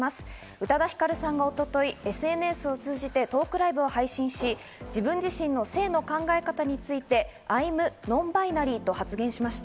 宇多田ヒカルさんが一昨日、ＳＮＳを通じてトークライブを配信し、自分自身の性の考え方について、「アイムノンバイナリー」と発言しました。